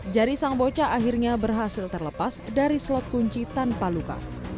jari sang bocah akhirnya berhasil terlepas dari slot kunci tanpa luka